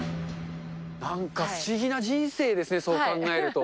なんか不思議な人生ですね、そう考えると。